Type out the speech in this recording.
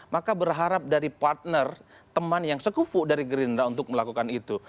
maka berharap dari partner teman yang sekupu dari gerindra untuk melakukan itu